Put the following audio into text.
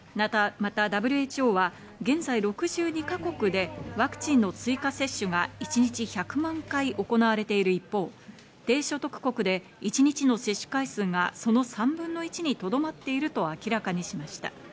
またＷＨＯは現在、６２か国でワクチンの追加接種が一日１００万回行われている一方、低所得国で一日の接種回数がその３分の１にとどまっていると明らかにしました。